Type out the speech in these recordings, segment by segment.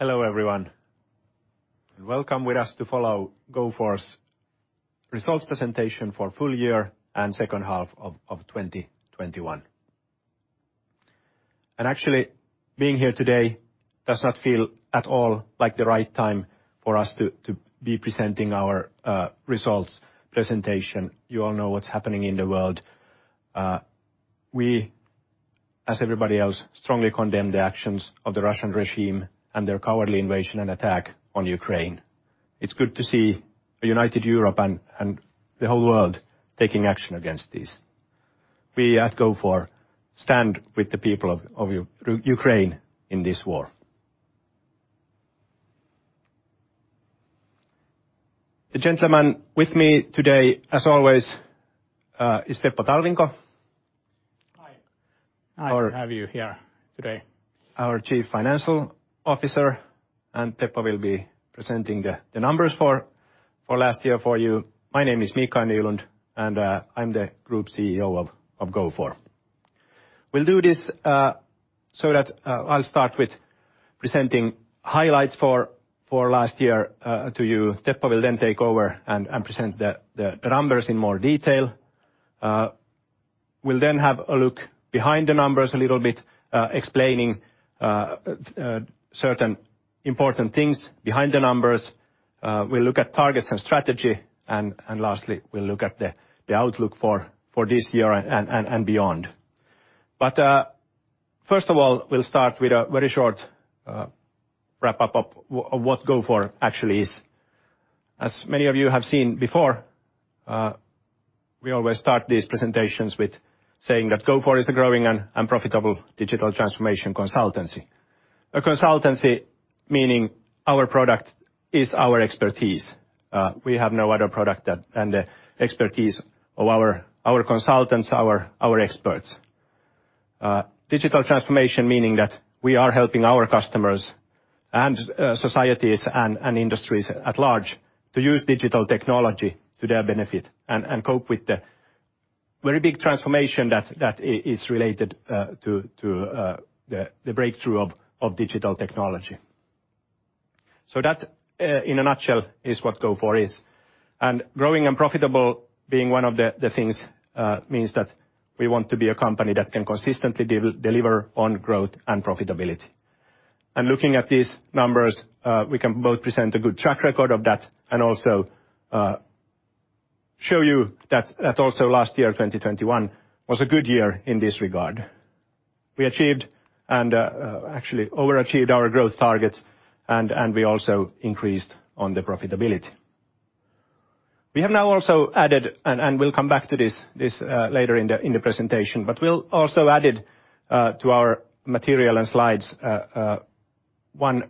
Hello everyone, and welcome with us to follow Gofore's results presentation for full year and second half of 2021. Actually being here today does not feel at all like the right time for us to be presenting our results presentation. You all know what's happening in the world. We, as everybody else, strongly condemn the actions of the Russian regime and their cowardly invasion and attack on Ukraine. It's good to see a united Europe and the whole world taking action against this. We at Gofore stand with the people of Ukraine in this war. The gentleman with me today, as always, is Teppo Talvinko. Hi. Our- Nice to have you here today. Our Chief Financial Officer, and Teppo will be presenting the numbers for last year for you. My name is Mikael Nylund, and I'm the Group CEO of Gofore. We'll do this so that I'll start with presenting highlights for last year to you. Teppo will then take over and present the numbers in more detail. We'll then have a look behind the numbers a little bit, explaining certain important things behind the numbers. We'll look at targets and strategy, and lastly, we'll look at the outlook for this year and beyond. First of all, we'll start with a very short wrap-up of what Gofore actually is. As many of you have seen before, we always start these presentations with saying that Gofore is a growing and profitable digital transformation consultancy. A consultancy, meaning our product is our expertise. We have no other product than the expertise of our consultants, our experts. Digital transformation, meaning that we are helping our customers and societies and industries at large to use digital technology to their benefit and cope with the very big transformation that is related to the breakthrough of digital technology. That, in a nutshell, is what Gofore is. Growing and profitable being one of the things means that we want to be a company that can consistently deliver on growth and profitability. Looking at these numbers, we can both present a good track record of that and also show you that also last year, 2021, was a good year in this regard. We actually overachieved our growth targets and we also increased on the profitability. We have now also added, and we'll come back to this later in the presentation, but we also added to our material and slides one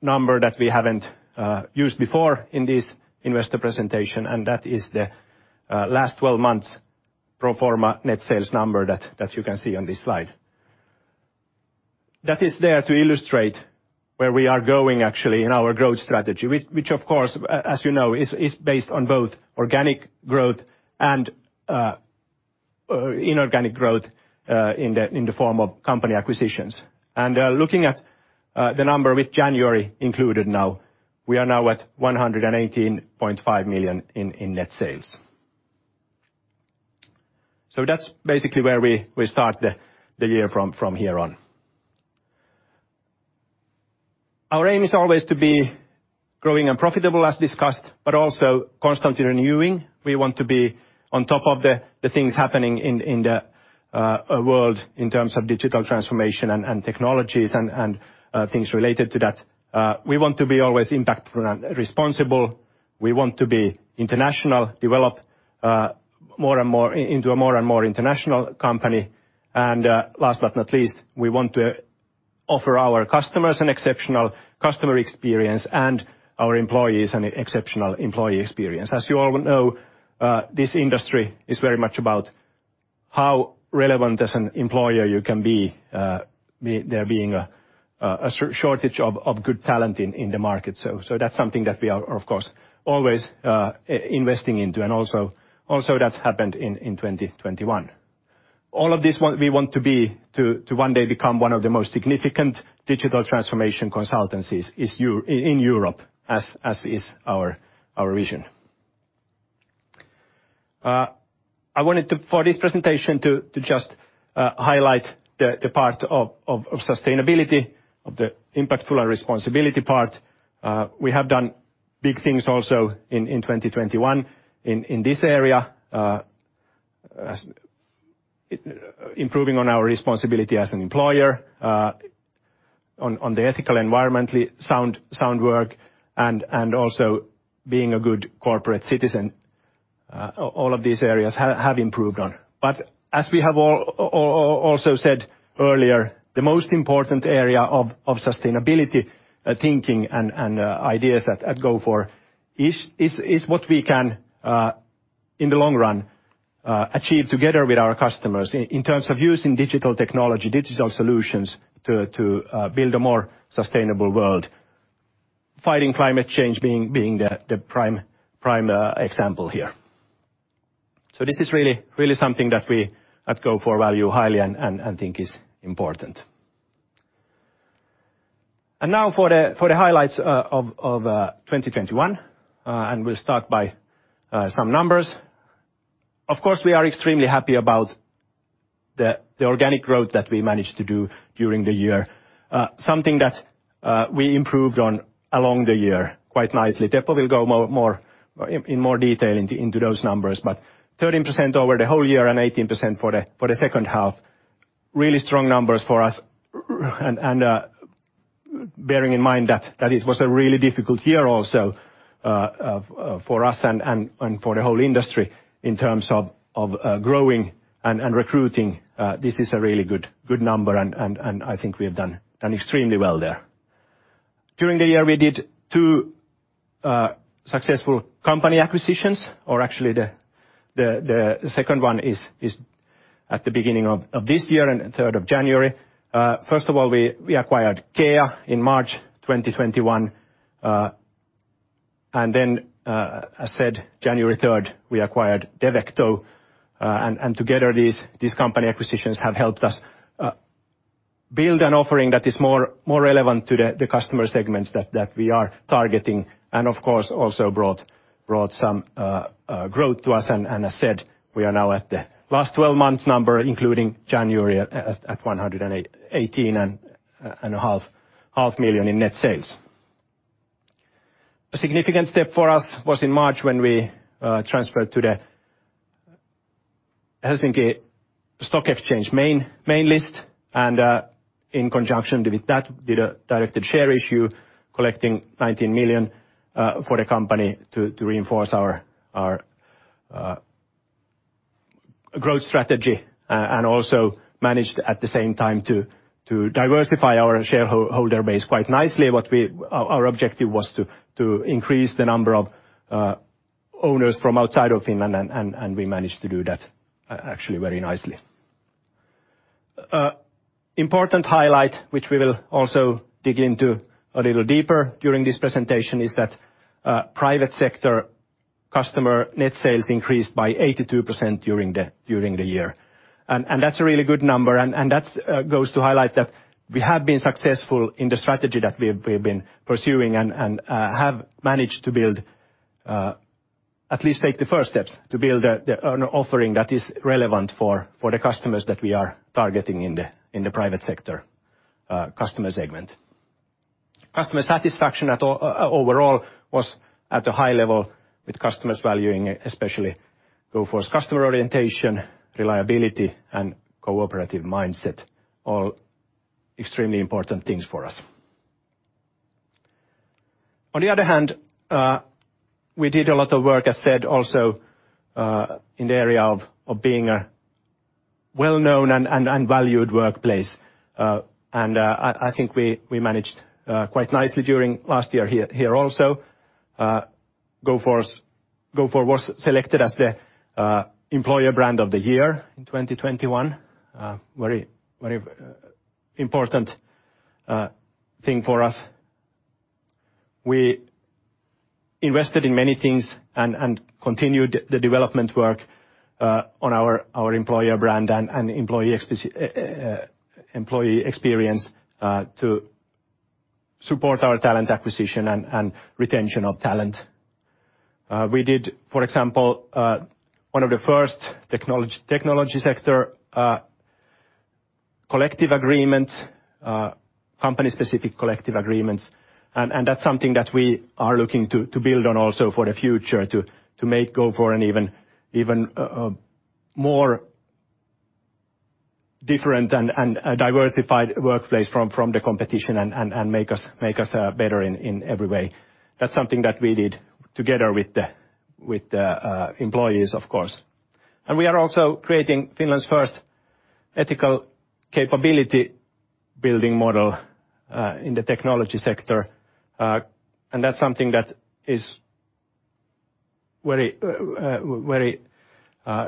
number that we haven't used before in this investor presentation, and that is the last 12 months pro forma net sales number that you can see on this slide. That is there to illustrate where we are going actually in our growth strategy, which of course, as you know, is based on both organic growth and inorganic growth in the form of company acquisitions. Looking at the number with January included now, we are now at 118.5 million in net sales. That's basically where we start the year from here on. Our aim is always to be growing and profitable, as discussed, but also constantly renewing. We want to be on top of the things happening in the world in terms of digital transformation and technologies and things related to that. We want to be always impactful and responsible. We want to be international, develop more and more into a more and more international company. Last but not least, we want to offer our customers an exceptional customer experience and our employees an exceptional employee experience. As you all know, this industry is very much about how relevant as an employer you can be, there being a shortage of good talent in the market. That's something that we are of course always investing into and also that happened in 2021. All of this we want to one day become one of the most significant digital transformation consultancies in Europe as is our vision. I wanted for this presentation to just highlight the part of sustainability, of the impactful and responsibility part. We have done big things also in 2021 in this area, improving on our responsibility as an employer, on the ethical environmentally sound work, and also being a good corporate citizen. All of these areas have improved on. As we have also said earlier, the most important area of sustainability thinking and ideas at Gofore is what we can in the long run achieve together with our customers in terms of using digital technology, digital solutions to build a more sustainable world. Fighting climate change being the prime example here. This is really something that we at Gofore value highly and think is important. Now for the highlights of 2021, we'll start by some numbers. Of course, we are extremely happy about the organic growth that we managed to do during the year. Something that we improved on along the year quite nicely. Teppo will go more in detail into those numbers, but 13% over the whole year and 18% for the second half, really strong numbers for us and bearing in mind that it was a really difficult year also for us and for the whole industry in terms of growing and recruiting, this is a really good number and I think we have done extremely well there. During the year, we did two successful company acquisitions, or actually the second one is at the beginning of this year and January 3. First of all, we acquired CCEA in March 2021, and then, as said, January 3, we acquired Devecto, and together these company acquisitions have helped us build an offering that is more relevant to the customer segments that we are targeting, and of course, also brought some growth to us. As said, we are now at the last twelve months number, including January at 108.5 million in net sales. A significant step for us was in March when we transferred to the Nasdaq Helsinki main list, and in conjunction with that, did a directed share issue, collecting 19 million for the company to reinforce our growth strategy, and also managed at the same time to diversify our shareholder base quite nicely. What our objective was to increase the number of owners from outside of Finland and we managed to do that actually very nicely. Important highlight, which we will also dig into a little deeper during this presentation is that private sector customer net sales increased by 82% during the year. That's a really good number. That's goes to highlight that we have been successful in the strategy that we've been pursuing and have managed to at least take the first steps to build an offering that is relevant for the customers that we are targeting in the private sector customer segment. Customer satisfaction overall was at a high level with customers valuing especially Gofore's customer orientation, reliability, and cooperative mindset, all extremely important things for us. On the other hand, we did a lot of work, as said, also, in the area of being a well-known and valued workplace. I think we managed quite nicely during last year here also. Gofore was selected as the Employer Brand of the Year in 2021. Very important thing for us. We invested in many things and continued the development work on our employer brand and employee experience to support our talent acquisition and retention of talent. We did, for example, one of the first technology sector company-specific collective agreements, and that's something that we are looking to build on also for the future to make Gofore an even more different and diversified workplace from the competition and make us better in every way. That's something that we did together with the employees, of course. We are also creating Finland's first ethical capability building model in the technology sector. That's something that is very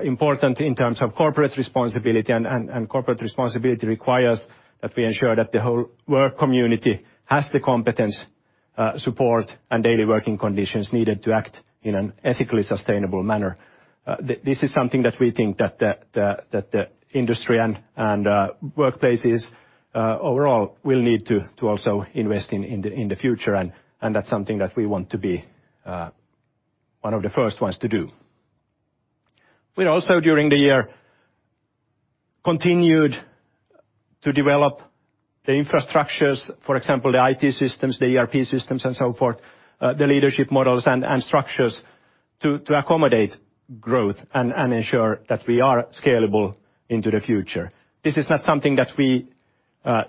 important in terms of corporate responsibility, and corporate responsibility requires that we ensure that the whole work community has the competence, support, and daily working conditions needed to act in an ethically sustainable manner. This is something that we think that the industry and workplaces overall will need to also invest in in the future, and that's something that we want to be one of the first ones to do. We also, during the year, continued to develop the infrastructures, for example, the IT systems, the ERP systems, and so forth, the leadership models and structures to accommodate growth and ensure that we are scalable into the future. This is not something that we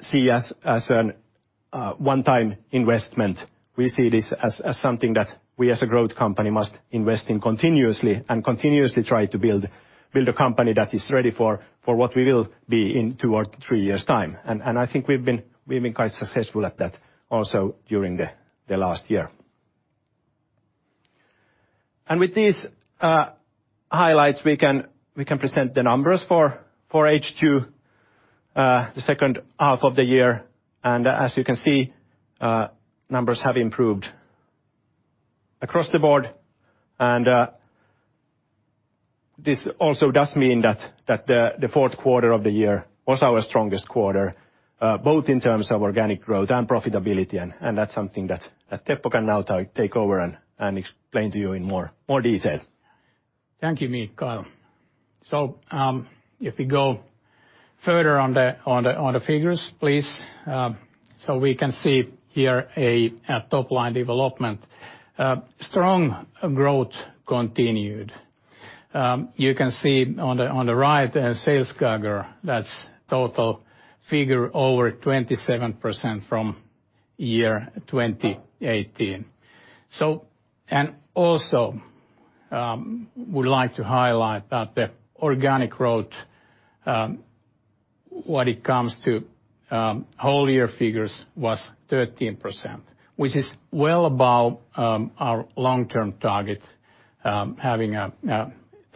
see as a one-time investment. We see this as something that we as a growth company must invest in continuously and continuously try to build a company that is ready for what we will be in two or three years' time. I think we've been quite successful at that also during the last year. With these highlights, we can present the numbers for H2, the second half of the year, and as you can see, numbers have improved across the board. This also does mean that the fourth quarter of the year was our strongest quarter, both in terms of organic growth and profitability. That's something that Teppo can now take over and explain to you in more detail. Thank you, Mikael. If we go further on the figures, please. We can see here a top-line development. Strong growth continued. You can see on the right, sales CAGR, that's total figure over 27% from year 2018. I would like to highlight that the organic growth, when it comes to whole year figures was 13%, which is well above our long-term target, having a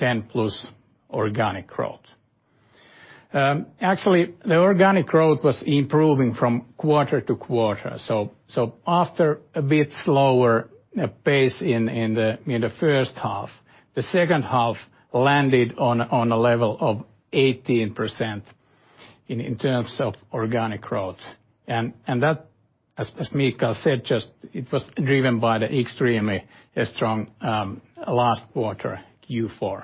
10+ organic growth. Actually, the organic growth was improving from quarter to quarter. After a bit slower pace in the first half, the second half landed on a level of 18% in terms of organic growth. That, as Mikael said, just it was driven by the extremely strong last quarter, Q4.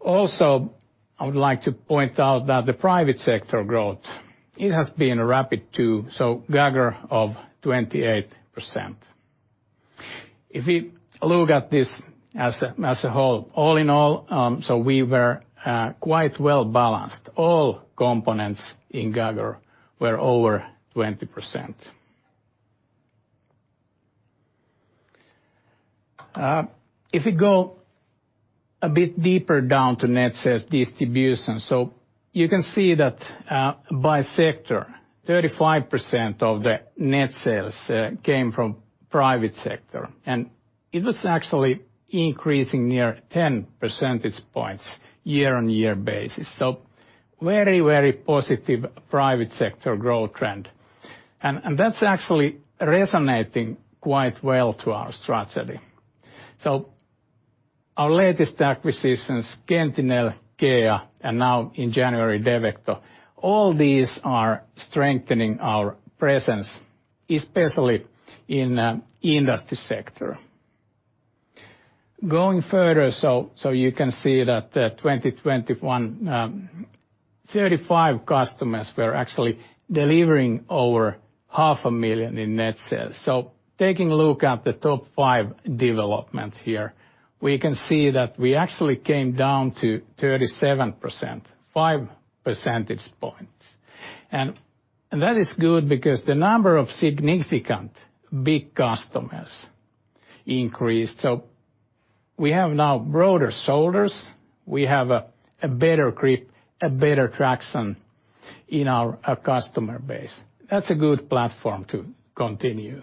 Also, I would like to point out that the private sector growth, it has been rapid too, CAGR of 28%. If you look at this as a whole, all in all, we were quite well-balanced. All components in CAGR were over 20%. If you go a bit deeper down to net sales distribution, you can see that, by sector, 35% of the net sales came from private sector, and it was actually increasing near 10 percentage points year-on-year basis. Very, very positive private sector growth trend. That's actually resonating quite well to our strategy. Our latest acquisitions, Qentinel, CCEA, and now in January, Devecto, all these are strengthening our presence, especially in industry sector. Going further, you can see that 2021, 35 customers were actually delivering over half a million EUR in net sales. Taking a look at the top five development here, we can see that we actually came down to 37%, 5 percentage points. That is good because the number of significant big customers increased. We have now broader shoulders, we have a better grip, a better traction in our customer base. That's a good platform to continue.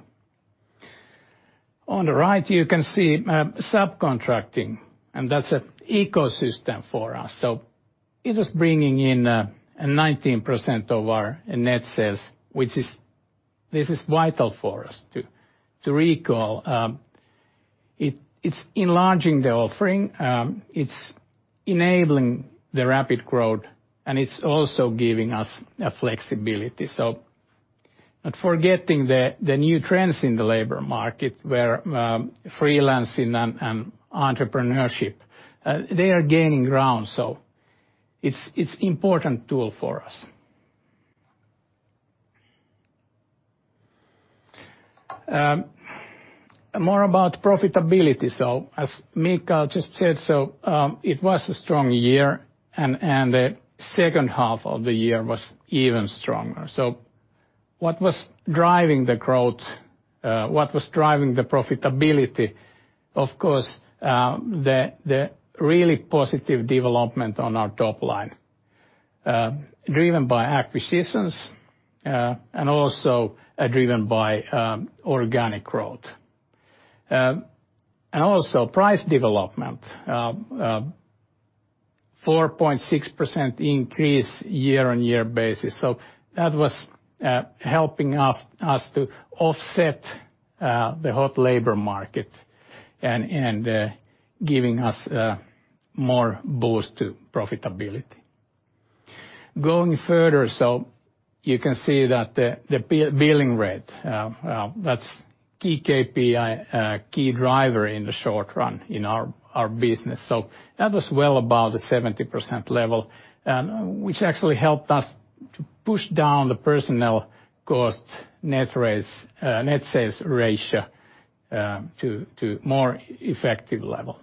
On the right, you can see subcontracting, and that's an ecosystem for us. It was bringing in 19% of our net sales, which is vital for us. It's enlarging the offering, it's enabling the rapid growth, and it's also giving us flexibility. Not forgetting the new trends in the labor market where freelancing and entrepreneurship they are gaining ground, so it's important tool for us. More about profitability. As Mikael just said, it was a strong year and the second half of the year was even stronger. What was driving the growth? What was driving the profitability? Of course, the really positive development on our top line. Driven by acquisitions and also driven by organic growth. And also price development, 4.6% increase year-on-year basis. That was helping us to offset the hot labor market and giving us more boost to profitability. Going further, you can see that the billing rate, that's key KPI, key driver in the short run in our business. That was well above the 70% level, which actually helped us to push down the personnel cost net sales ratio to more effective level.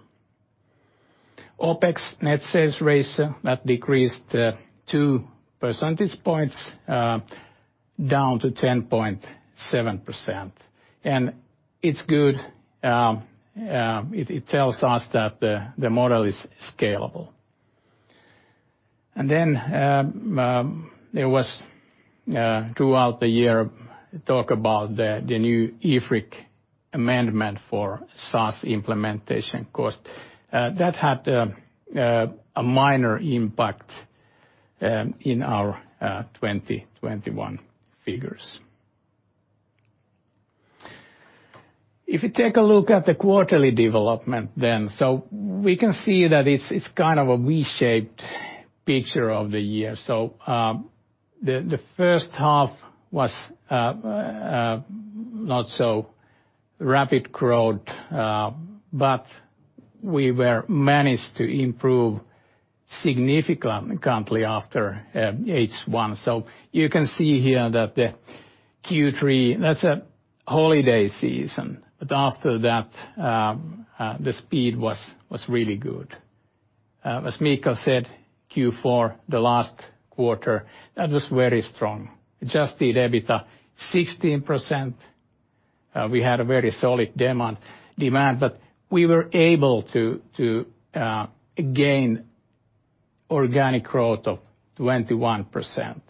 OpEx net sales ratio that decreased two percentage points down to 10.7%. It's good, it tells us that the model is scalable. There was throughout the year talk about the new IFRIC amendment for SaaS implementation cost. That had a minor impact in our 2021 figures. If you take a look at the quarterly development then, we can see that it's kind of a V-shaped picture of the year. The first half was not so rapid growth, but we managed to improve significantly after H1. You can see here that the Q3, that's a holiday season. After that, the speed was really good. As Mika said, Q4, the last quarter, that was very strong. Adjusted EBITDA 16%. We had a very solid demand, but we were able to gain organic growth of 21%.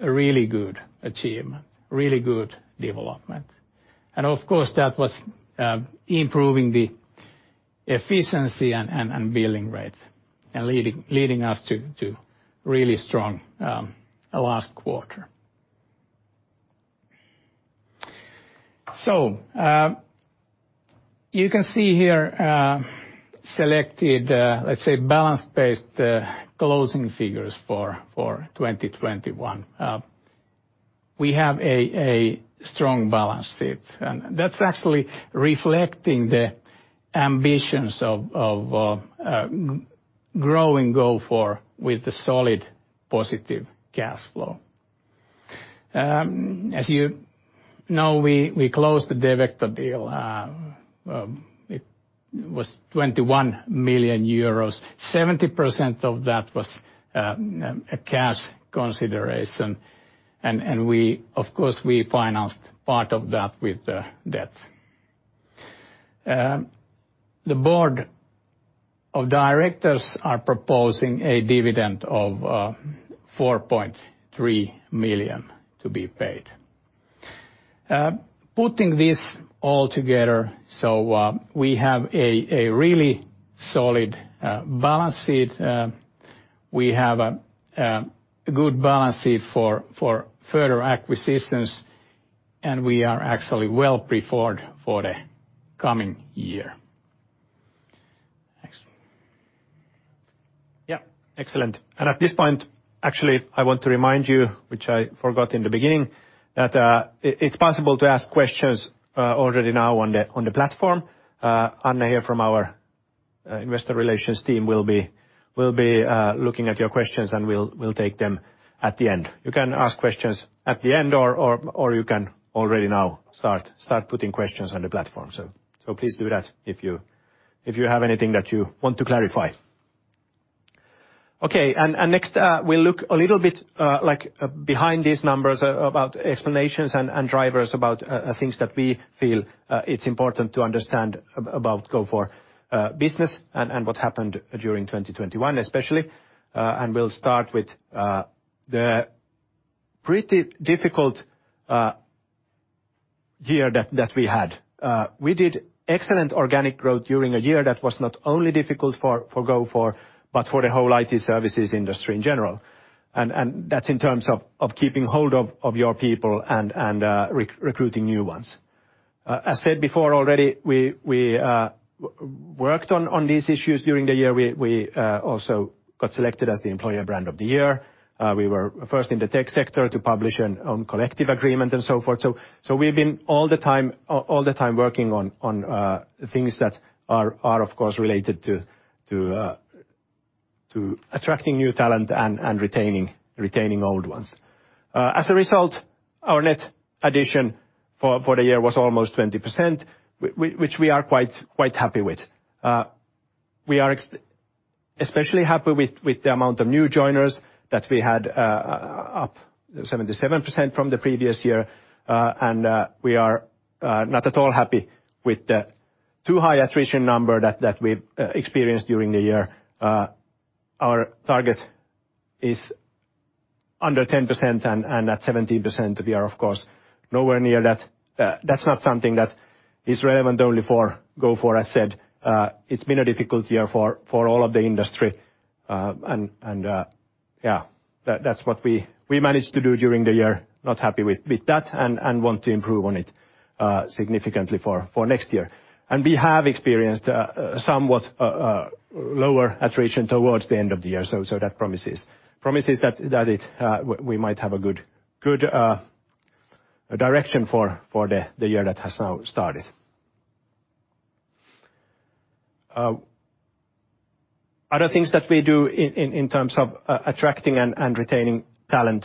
A really good achievement, really good development. Of course, that was improving the efficiency and billing rates and leading us to really strong last quarter. You can see here selected, let's say, balance-based closing figures for 2021. We have a strong balance sheet, and that's actually reflecting the ambitions of growing Gofore with the solid positive cash flow. As you know, we closed the Devecto deal. It was 21 million euros. 70% of that was a cash consideration, and we of course financed part of that with the debt. The board of directors are proposing a dividend of 4.3 million to be paid. Putting this all together, we have a really solid balance sheet. We have a good balance sheet for further acquisitions, and we are actually well prepared for the coming year. Thanks. Yeah, excellent. At this point, actually, I want to remind you, which I forgot in the beginning, that it's possible to ask questions already now on the platform. Anne here from our investor relations team will be looking at your questions, and we'll take them at the end. You can ask questions at the end or you can already now start putting questions on the platform. So please do that if you have anything that you want to clarify. Okay. Next, we'll look a little bit like behind these numbers about explanations and drivers about things that we feel it's important to understand about Gofore business and what happened during 2021 especially. We'll start with the pretty difficult year that we had. We did excellent organic growth during a year that was not only difficult for Gofore, but for the whole IT services industry in general. That's in terms of keeping hold of your people and recruiting new ones. As said before already, we worked on these issues during the year. We also got selected as the Employer Brand of the Year. We were first in the tech sector to publish a collective agreement and so forth. We've been all the time working on things that are, of course, related to attracting new talent and retaining old ones. As a result, our net addition for the year was almost 20%, which we are quite happy with. We are especially happy with the amount of new joiners that we had, up 77% from the previous year. We are not at all happy with the too high attrition number that we experienced during the year. Our target is under 10%, and at 17% we are, of course, nowhere near that. That's not something that is relevant only for Gofore. As said, it's been a difficult year for all of the industry. That's what we managed to do during the year. Not happy with that and want to improve on it significantly for next year. We have experienced somewhat lower attrition towards the end of the year that promises that we might have a good direction for the year that has now started. Other things that we do in terms of attracting and retaining talent,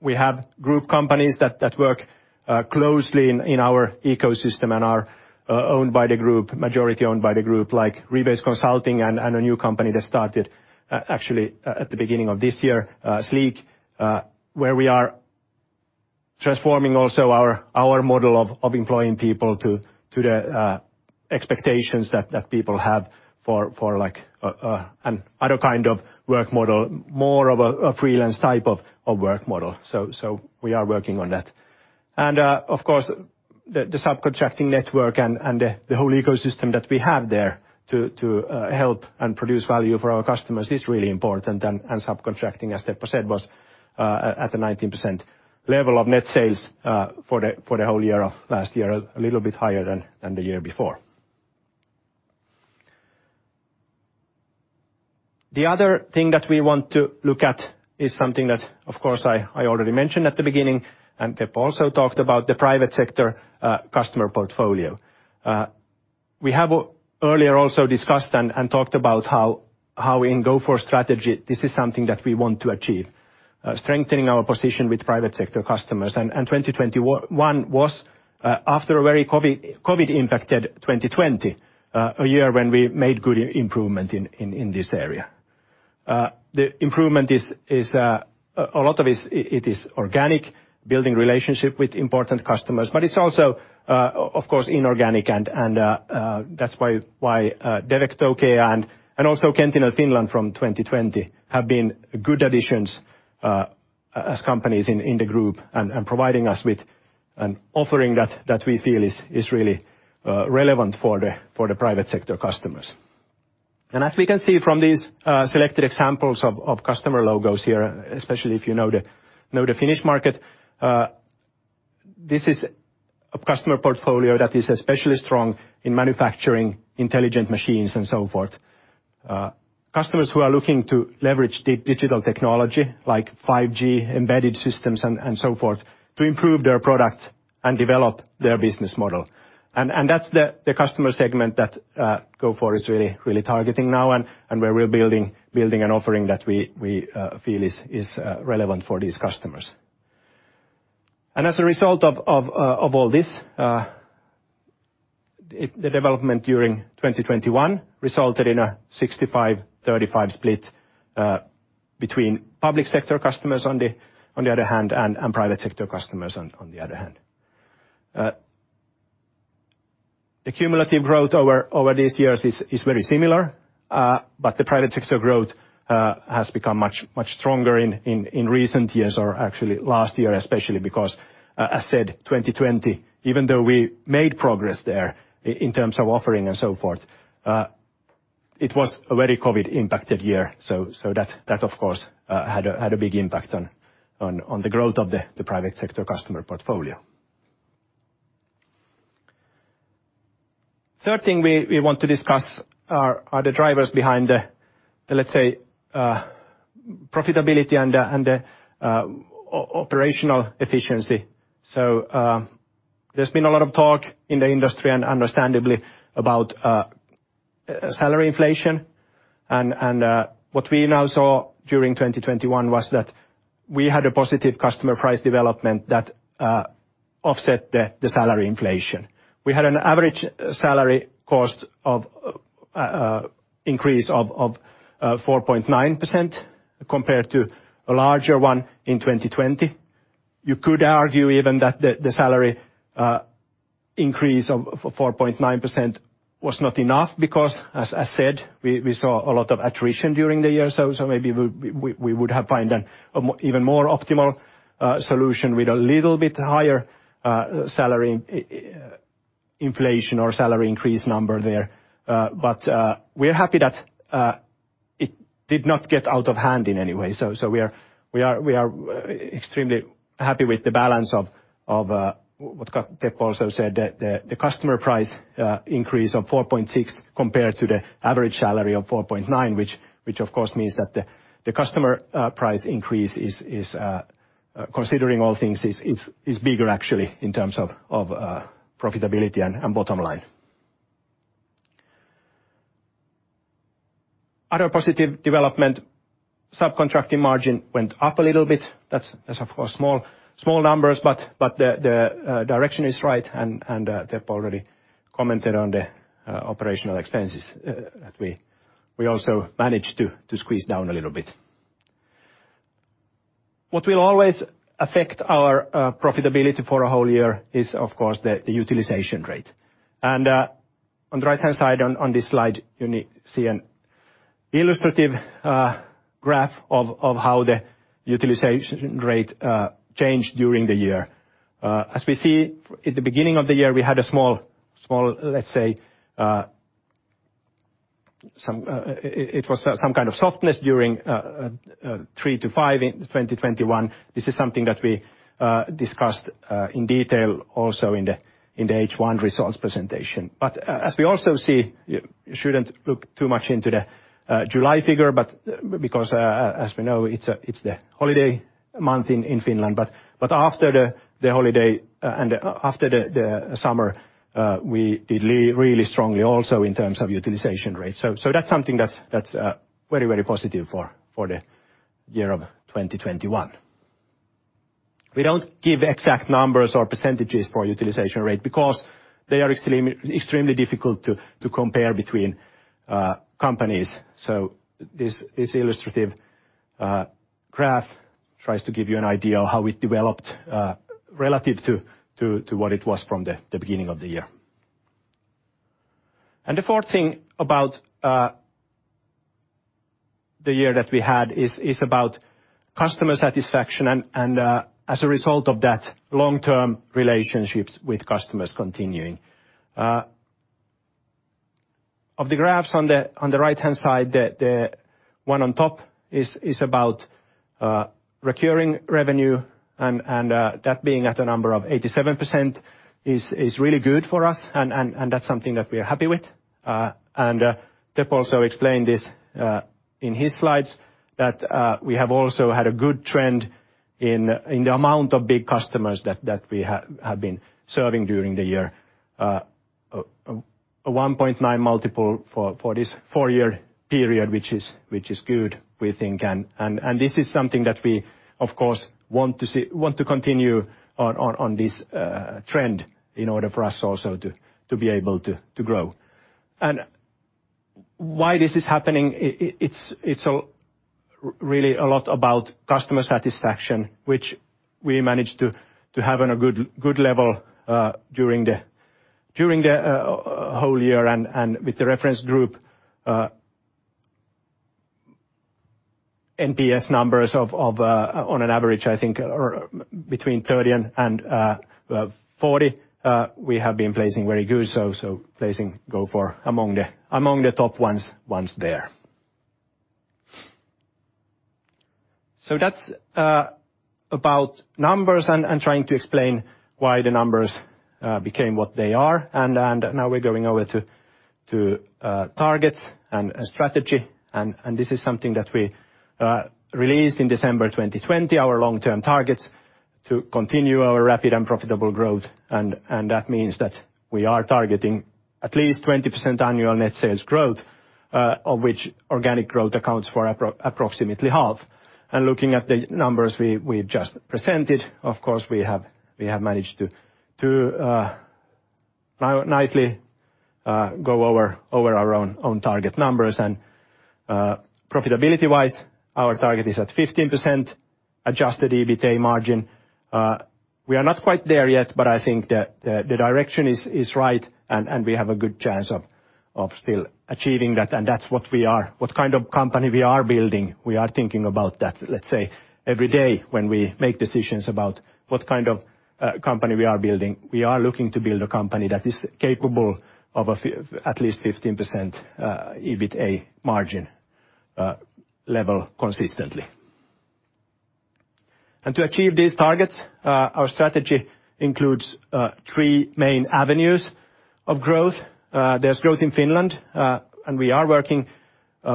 we have group companies that work closely in our ecosystem and are owned by the group, majority owned by the group, like Rebase Consulting and a new company that started actually at the beginning of this year, Sleek, where we are transforming also our model of employing people to the expectations that people have for like another kind of work model, more of a freelance type of work model. We are working on that. Of course, the subcontracting network and the whole ecosystem that we have there to help and produce value for our customers is really important. Subcontracting, as Teppo said, was at a 19% level of net sales for the whole year of last year, a little bit higher than the year before. The other thing that we want to look at is something that, of course, I already mentioned at the beginning, and Teppo also talked about the private sector customer portfolio. We have earlier also discussed and talked about how in Gofore strategy this is something that we want to achieve, strengthening our position with private sector customers. 2021 was, after a very COVID-impacted 2020, a year when we made good improvement in this area. The improvement is a lot of it is organic, building relationship with important customers, but it is also, of course, inorganic. That's why Devecto and also Qentinel Finland from 2020 have been good additions as companies in the group and providing us with an offering that we feel is really relevant for the private sector customers. As we can see from these selected examples of customer logos here, especially if you know the Finnish market, this is a customer portfolio that is especially strong in manufacturing intelligent machines and so forth. Customers who are looking to leverage digital technology like 5G embedded systems and so forth to improve their products and develop their business model. That's the customer segment that Gofore is really targeting now and where we're building an offering that we feel is relevant for these customers. As a result of all this, the development during 2021 resulted in a 65-35 split between public sector customers on the other hand and private sector customers on the other hand. The cumulative growth over these years is very similar, but the private sector growth has become much stronger in recent years or actually last year especially because, as said, 2020, even though we made progress there in terms of offering and so forth, it was a very COVID-impacted year. So that of course had a big impact on the growth of the private sector customer portfolio. Third thing we want to discuss are the drivers behind the, let's say, profitability and the operational efficiency. There's been a lot of talk in the industry and understandably about salary inflation and what we now saw during 2021 was that we had a positive customer price development that offset the salary inflation. We had an average salary cost increase of 4.9% compared to a larger one in 2020. You could argue even that the salary increase of 4.9% was not enough because, as said, we saw a lot of attrition during the year. Maybe we would have find an even more optimal solution with a little bit higher salary inflation or salary increase number there. We're happy that it did not get out of hand in any way. We are extremely happy with the balance of what Teppo also said, the customer price increase of 4.6% compared to the average salary of 4.9%, which of course means that the customer price increase is, considering all things, bigger actually in terms of profitability and bottom line. Other positive development, subcontracting margin went up a little bit. That's of course small numbers, but the direction is right and Teppo already commented on the operational expenses that we also managed to squeeze down a little bit. What will always affect our profitability for a whole year is of course the utilization rate. On the right-hand side on this slide, you see an illustrative graph of how the utilization rate changed during the year. As we see at the beginning of the year, we had a small, let's say, some kind of softness during 3-5 in 2021. This is something that we discussed in detail also in the H1 results presentation. As we also see, you shouldn't look too much into the July figure, but because, as we know, it's the holiday month in Finland. After the holiday and after the summer, we did really strongly also in terms of utilization rate. That's something that's very positive for the year of 2021. We don't give exact numbers or percentages for utilization rate because they are extremely difficult to compare between companies. This illustrative graph tries to give you an idea of how it developed relative to what it was from the beginning of the year. The fourth thing about the year that we had is about customer satisfaction and, as a result of that, long-term relationships with customers continuing. Of the graphs on the right-hand side, the one on top is about recurring revenue and that being at a number of 87% is really good for us and that's something that we are happy with. Teppo also explained this in his slides that we have also had a good trend in the amount of big customers that we have been serving during the year. A 1.9 multiple for this four-year period which is good, we think. This is something that we, of course, want to continue on this trend in order for us also to be able to grow. Why this is happening, it's really a lot about customer satisfaction, which we managed to have on a good level during the whole year and with the reference group, NPS numbers on an average, I think, are between 30 and 40. We have been placing very good, so placing Gofore among the top ones there. That's about numbers and trying to explain why the numbers became what they are. Now we're going over to targets and strategy. This is something that we released in December 2020, our long-term targets to continue our rapid and profitable growth. That means that we are targeting at least 20% annual net sales growth, of which organic growth accounts for approximately half. Looking at the numbers we just presented, of course, we have managed to nicely go over our own target numbers. Profitability-wise, our target is at 15% adjusted EBITA margin. We are not quite there yet, but I think the direction is right, and we have a good chance of still achieving that. That's what kind of company we are building. We are thinking about that, let's say, every day when we make decisions about what kind of company we are building. We are looking to build a company that is capable of at least 15% EBITA margin level consistently. To achieve these targets, our strategy includes three main avenues of growth. There's growth in Finland, and we are working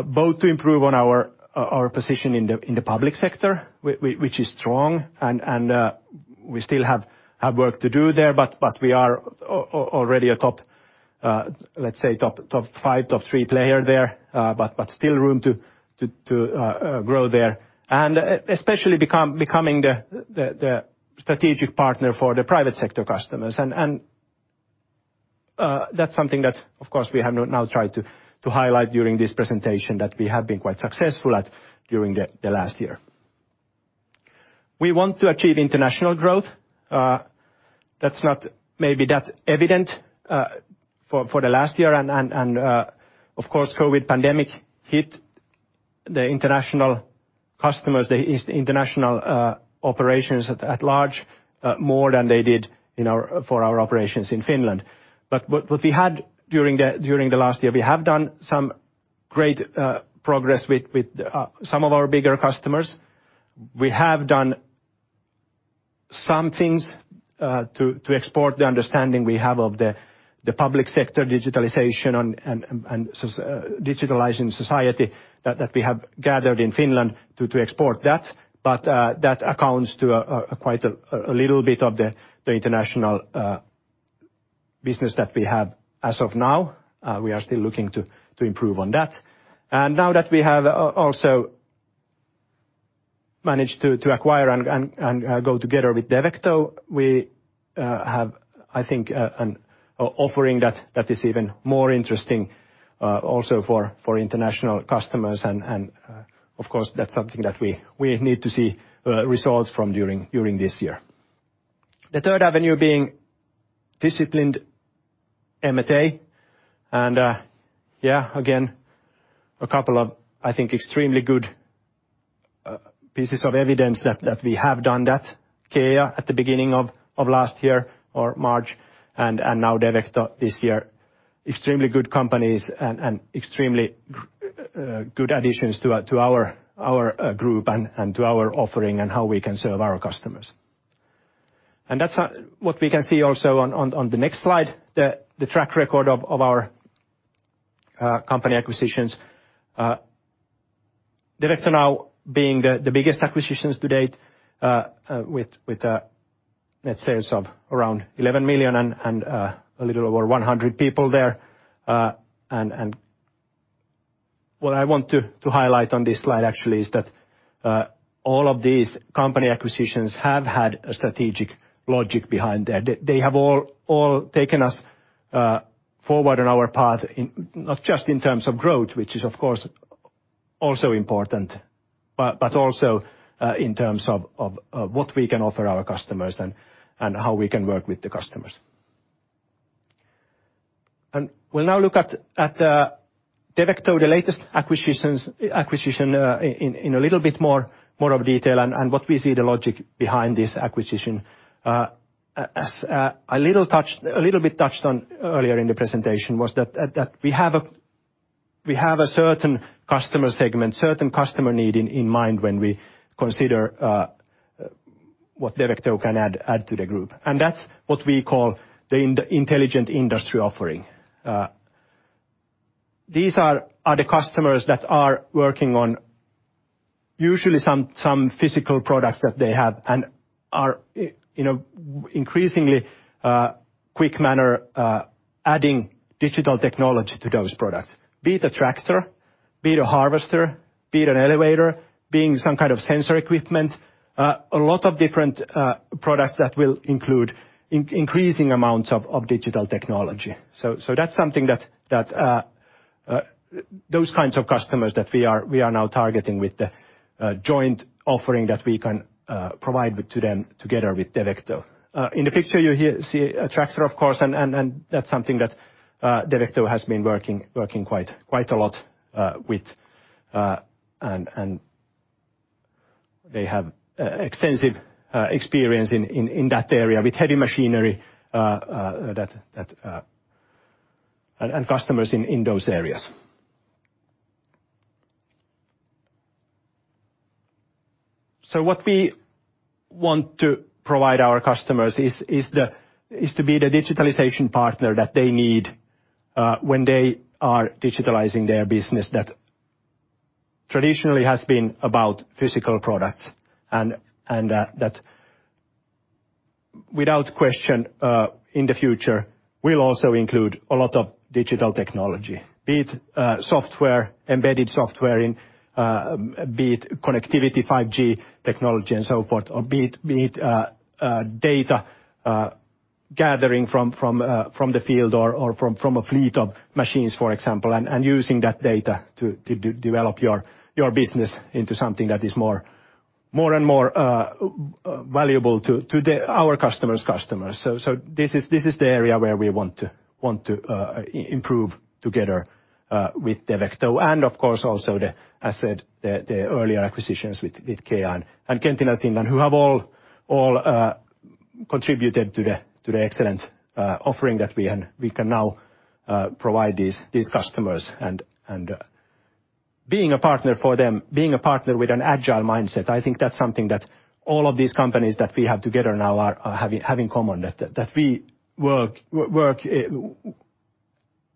both to improve on our position in the public sector, which is strong, and we still have work to do there, but we are already a top, let's say, top five, top three player there, but still room to grow there, and especially becoming the strategic partner for the private sector customers. That's something that, of course, we have now tried to highlight during this presentation that we have been quite successful at during the last year. We want to achieve international growth. That's not maybe that evident for the last year and of course COVID pandemic hit the international customers international operations at large more than they did for our operations in Finland. What we had during the last year, we have done some great progress with some of our bigger customers. We have done some things to export the understanding we have of the public sector digitalization and digitalizing society that we have gathered in Finland to export that. That accounts to a quite a little bit of the international business that we have as of now. We are still looking to improve on that. Now that we have also managed to acquire and go together with Devecto, we have, I think, an offering that is even more interesting also for international customers. Of course, that's something that we need to see results from during this year. The third avenue being disciplined M&A. Yeah, again, a couple of, I think, extremely good pieces of evidence that we have done that. CCEA at the beginning of last year in March, and now Devecto this year. Extremely good companies and extremely good additions to our group and to our offering and how we can serve our customers. That's what we can see also on the next slide, the track record of our company acquisitions. Devecto now being the biggest acquisitions to date, with net sales of around 11 million and a little over 100 people there. What I want to highlight on this slide actually is that all of these company acquisitions have had a strategic logic behind them. They have all taken us forward on our path in, not just in terms of growth, which is, of course, also important, but also in terms of what we can offer our customers and how we can work with the customers. We'll now look at Devecto, the latest acquisition, in a little bit more detail and what we see the logic behind this acquisition. As a little bit touched on earlier in the presentation was that we have a certain customer segment, certain customer need in mind when we consider what Devecto can add to the group. That's what we call the Intelligent Industry offering. These are the customers that are working on usually some physical products that they have and are you know increasingly in a quick manner adding digital technology to those products. Be it a tractor, be it a harvester, be it an elevator, being some kind of sensor equipment, a lot of different products that will include increasing amounts of digital technology. That's something that those kinds of customers that we are now targeting with the joint offering that we can provide with to them together with Devecto. In the picture you see a tractor, of course, and that's something that Devecto has been working quite a lot with, and they have extensive experience in that area with heavy machinery and customers in those areas. What we want to provide our customers is to be the digitalization partner that they need when they are digitalizing their business that traditionally has been about physical products and that without question in the future will also include a lot of digital technology. Be it software, embedded software, be it connectivity, 5G technology and so forth, or be it data gathering from the field or from a fleet of machines, for example, and using that data to develop your business into something that is more and more valuable to our customers' customers. This is the area where we want to improve together with Devecto and of course also the earlier acquisitions with Qentinel Finland who have all contributed to the excellent offering that we can now provide these customers and being a partner for them, being a partner with an agile mindset. I think that's something that all of these companies that we have together now have in common that we work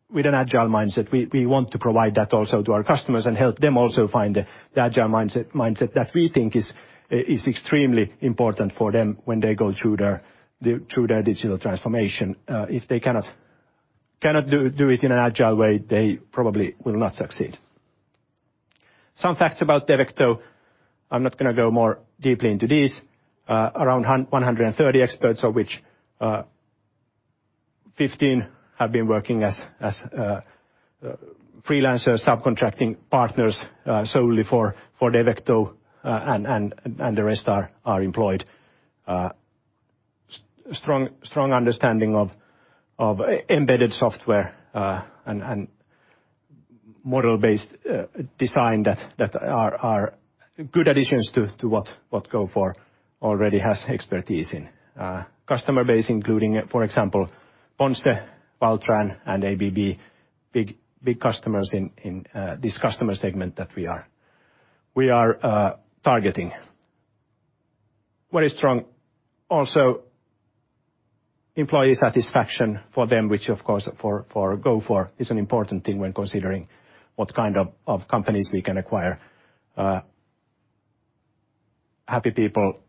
with an agile mindset. We want to provide that also to our customers and help them also find the agile mindset that we think is extremely important for them when they go through their digital transformation. If they cannot do it in an agile way, they probably will not succeed. Some facts about Devecto. I'm not gonna go more deeply into this. Around 130 experts, of which 15 have been working as freelancers, subcontracting partners, solely for Devecto, and the rest are employed. Strong understanding of embedded software and model-based design that are good additions to what Gofore already has expertise in. Customer base including, for example, Ponsse, Valtra and ABB, big customers in this customer segment that we are targeting. Very strong employee satisfaction also for them, which of course for Gofore is an important thing when considering what kind of companies we can acquire. Happy people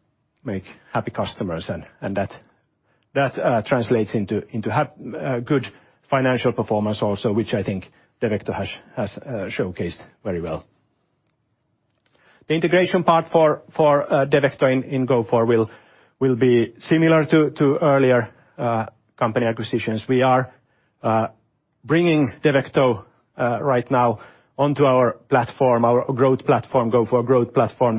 make happy customers and that translates into good financial performance also, which I think Devecto has showcased very well. The integration part for Devecto in Gofore will be similar to earlier company acquisitions. We are bringing Devecto right now onto our platform, our growth platform, Gofore growth platform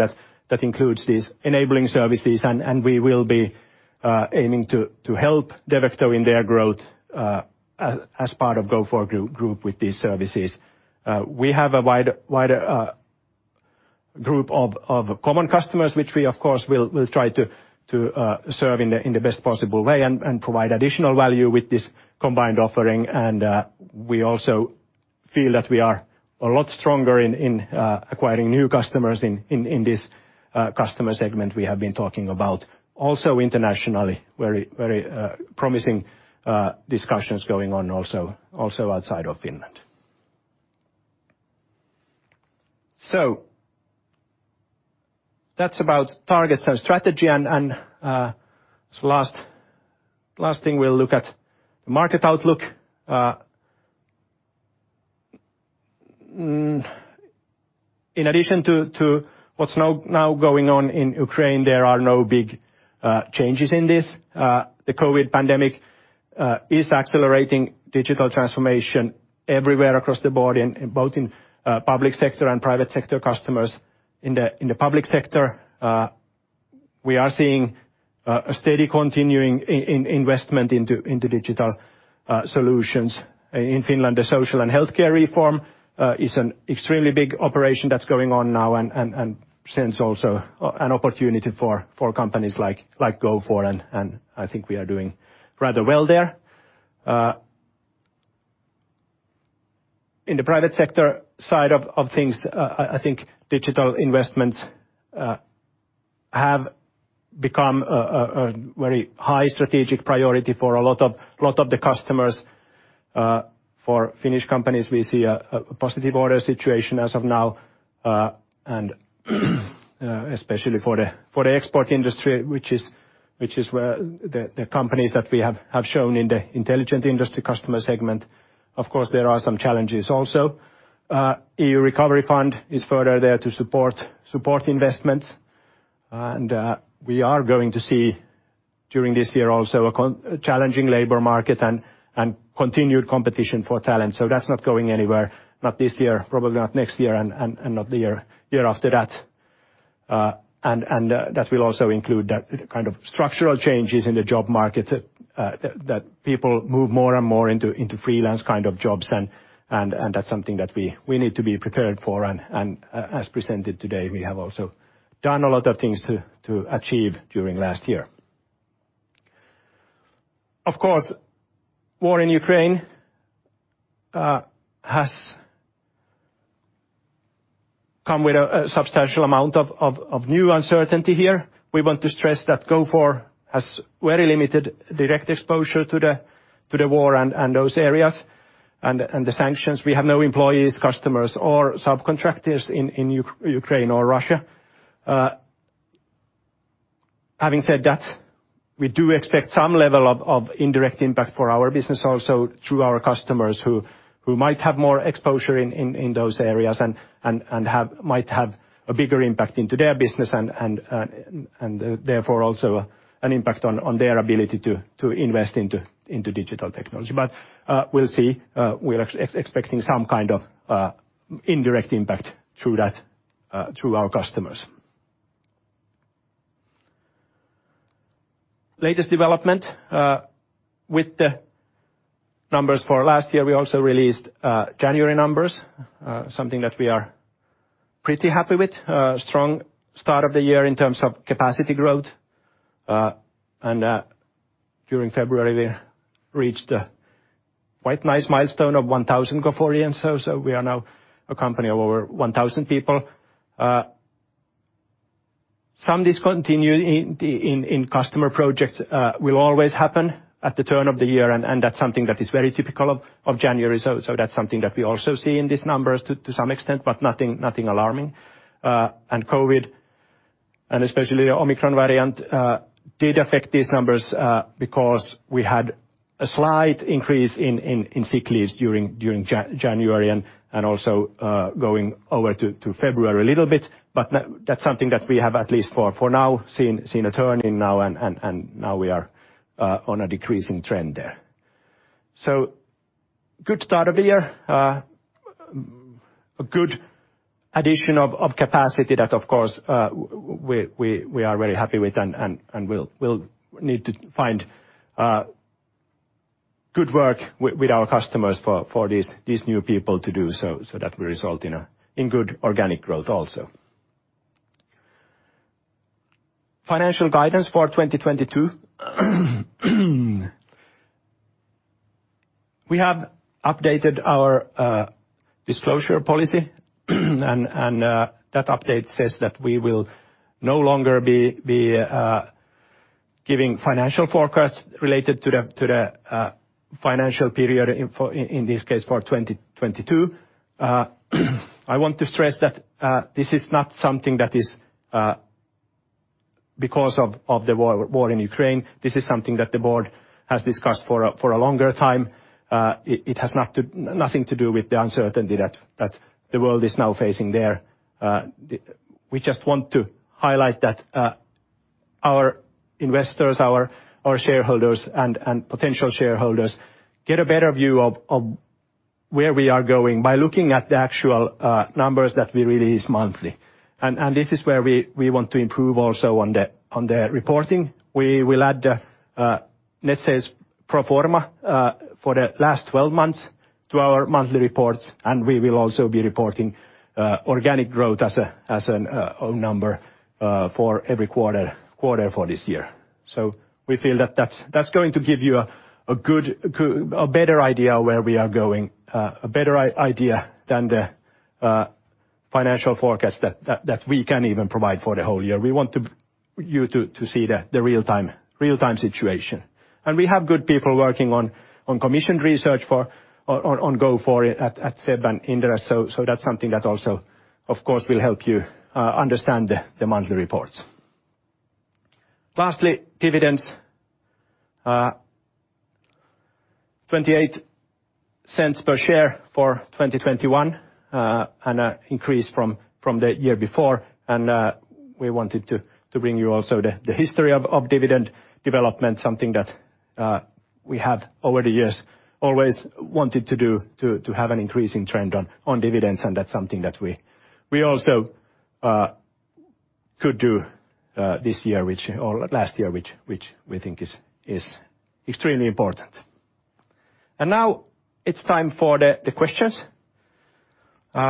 that includes these enabling services, and we will be aiming to help Devecto in their growth as part of Gofore Group with these services. We have a wide group of common customers, which we of course will try to serve in the best possible way and provide additional value with this combined offering and we also feel that we are a lot stronger in acquiring new customers in this customer segment we have been talking about. Internationally very promising discussions going on also outside of Finland. That's about targets and strategy. Last thing we'll look at, the market outlook. In addition to what's now going on in Ukraine, there are no big changes in this. The COVID pandemic is accelerating digital transformation everywhere across the board, in both public sector and private sector customers. In the public sector, we are seeing a steady continuing investment into digital solutions. In Finland, the Social and Healthcare Reform is an extremely big operation that's going on now and since also an opportunity for companies like Gofore. I think we are doing rather well there. In the private sector side of things, I think digital investments have become a very high strategic priority for a lot of the customers. For Finnish companies, we see a positive order situation as of now, and especially for the export industry, which is where the companies that we have shown in the Intelligent Industry customer segment. Of course, there are some challenges also. EU recovery fund is further there to support investments. We are going to see during this year also a challenging labor market and continued competition for talent. That's not going anywhere, not this year, probably not next year and not the year after that. That will also include that kind of structural changes in the job market, that people move more and more into freelance kind of jobs, and that's something that we need to be prepared for. As presented today, we have also done a lot of things to achieve during last year. Of course, war in Ukraine has come with a substantial amount of new uncertainty here. We want to stress that Gofore has very limited direct exposure to the war and those areas and the sanctions. We have no employees, customers, or subcontractors in Ukraine or Russia. Having said that, we do expect some level of indirect impact for our business also through our customers who might have more exposure in those areas and might have a bigger impact into their business and therefore also an impact on their ability to invest into digital technology. We'll see. We're expecting some kind of indirect impact through that through our customers. Latest development with the numbers for last year, we also released January numbers, something that we are pretty happy with, a strong start of the year in terms of capacity growth. During February, we reached a quite nice milestone of 1000 Goforeians. So we are now a company of over 1000 people. Some discontinuations in customer projects will always happen at the turn of the year, and that's something that is very typical of January. So that's something that we also see in these numbers to some extent, but nothing alarming. COVID, and especially the Omicron variant, did affect these numbers, because we had a slight increase in sick leaves during January and also going over to February a little bit. That's something that we have at least for now seen a turn in now, and now we are on a decreasing trend there. Good start of the year. A good addition of capacity that of course we are very happy with and we'll need to find good work with our customers for these new people to do so that will result in a good organic growth also. Financial guidance for 2022. We have updated our disclosure policy, and that update says that we will no longer be giving financial forecasts related to the financial period in this case, for 2022. I want to stress that this is not something that is because of the war in Ukraine. It has nothing to do with the uncertainty that the world is now facing there. We just want to highlight that our investors, our shareholders, and potential shareholders get a better view of where we are going by looking at the actual numbers that we release monthly. This is where we want to improve also on the reporting. We will add, let's say, pro forma for the last 12 months to our monthly reports, and we will also be reporting organic growth as an own number for every quarter for this year. We feel that that's going to give you a better idea where we are going, a better idea than the financial forecast that we can even provide for the whole year. We want you to see the real time situation. We have good people working on commission research for Gofore at SEB and Inderes. That's something that also, of course, will help you understand the monthly reports. Lastly, dividends. 0.28 per share for 2021, and an increase from the year before. We wanted to bring you also the history of dividend development, something that we have over the years always wanted to do, to have an increasing trend on dividends, and that's something that we also could do this year or last year, which we think is extremely important. Now it's time for the questions. I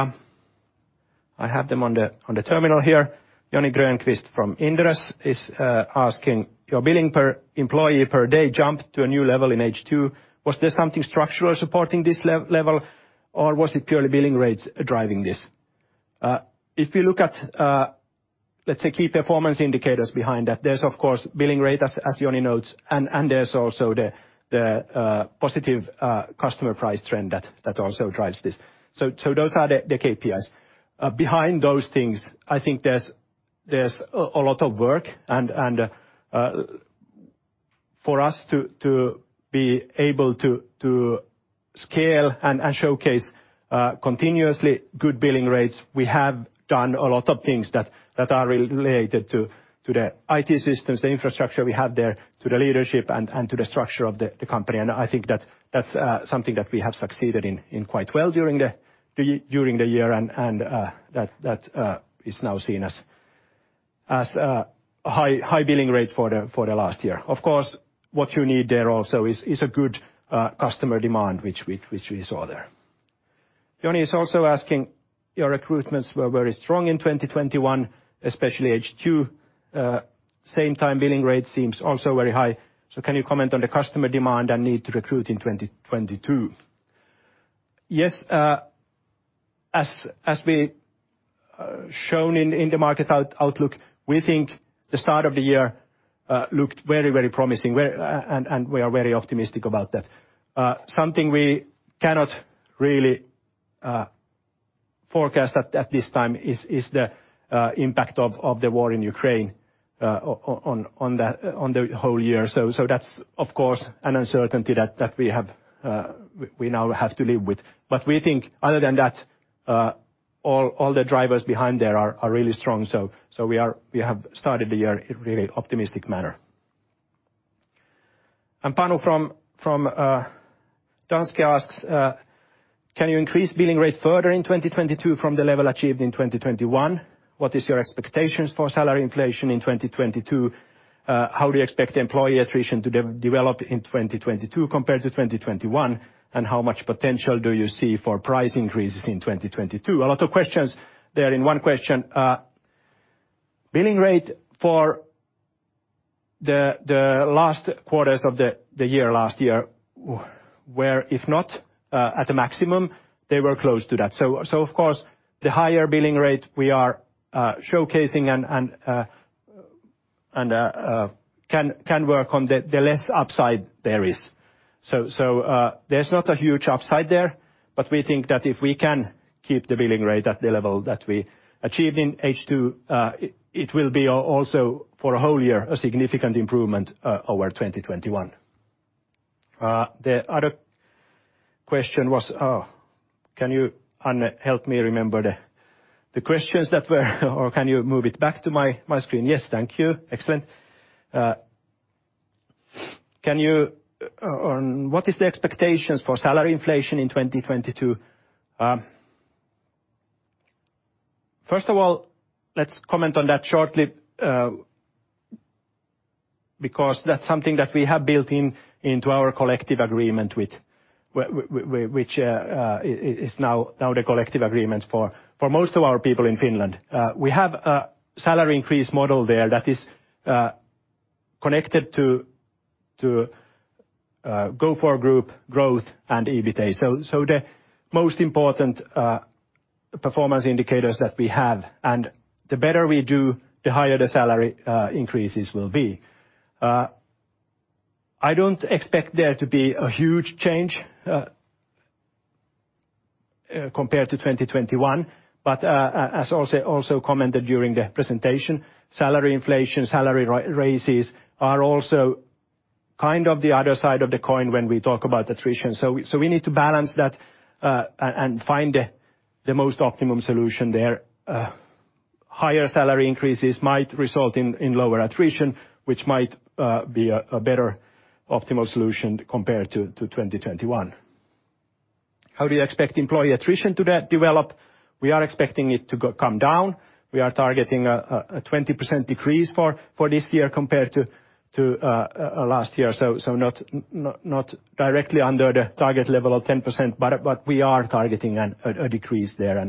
have them on the terminal here. Joni Grönqvist from Inderes is asking, Your billing per employee per day jumped to a new level in H2. Was there something structural supporting this level, or was it purely billing rates driving this? If you look at, let's say key performance indicators behind that, there's of course billing rate as Joni notes, and there's also the positive customer price trend that also drives this. Those are the KPIs. Behind those things, I think there's a lot of work and for us to be able to scale and showcase continuously good billing rates, we have done a lot of things that are related to the IT systems, the infrastructure we have there, to the leadership and to the structure of the company. I think that's something that we have succeeded in quite well during the year and that is now seen as high billing rates for the last year. Of course, what you need there also is a good customer demand which we saw there. Joni is also asking, your recruitments were very strong in 2021, especially H2. At the same time billing rate seems also very high. Can you comment on the customer demand and need to recruit in 2022? Yes, as we shown in the market outlook, we think the start of the year looked very promising where and we are very optimistic about that. Something we cannot really forecast at this time is the impact of the war in Ukraine on the whole year. That's of course an uncertainty that we have, we now have to live with. We think other than that, all the drivers behind there are really strong. We have started the year in really optimistic manner. Panu from Danske asks, can you increase billing rate further in 2022 from the level achieved in 2021? What is your expectations for salary inflation in 2022? How do you expect the employee attrition to develop in 2022 compared to 2021? And how much potential do you see for price increases in 2022? A lot of questions there in one question. Billing rate for the last quarters of the year last year were, if not at a maximum, they were close to that. Of course, the higher the billing rate we are showcasing and can work on, the less upside there is. There's not a huge upside there, but we think that if we can keep the billing rate at the level that we achieved in H2, it will be also for a whole year a significant improvement over 2021. The other question was. Can you, Anne, help me remember the questions or can you move it back to my screen? Yes, thank you. Excellent. What are the expectations for salary inflation in 2022? First of all, let's comment on that shortly, because that's something that we have built into our collective agreement, which is now the collective agreements for most of our people in Finland. We have a salary increase model there that is connected to Gofore Group growth and EBITA. The most important performance indicators that we have, and the better we do, the higher the salary increases will be. I don't expect there to be a huge change compared to 2021, but as also commented during the presentation, salary inflation, salary raises are also kind of the other side of the coin when we talk about attrition. We need to balance that, and find the most optimum solution there. Higher salary increases might result in lower attrition, which might be a better optimal solution compared to 2021. How do you expect employee attrition to develop? We are expecting it to come down. We are targeting a 20% decrease for this year compared to last year. Not directly under the target level of 10%, but we are targeting a decrease there.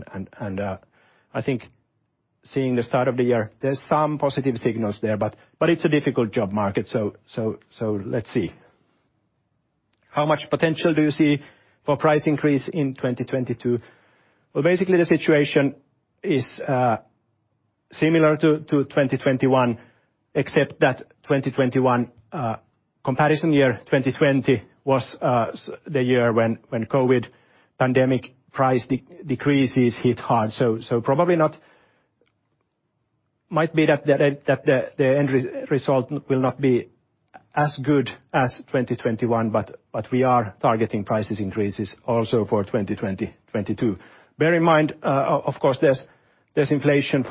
I think seeing the start of the year, there's some positive signals there, but it's a difficult job market. Let's see. How much potential do you see for price increase in 2022? Well, basically the situation is similar to 2021, except that 2021 comparison year, 2020, was the year when COVID pandemic price decreases hit hard. Probably not. Might be that the end result will not be as good as 2021, but we are targeting price increases also for 2022. Bear in mind, of course, there's inflation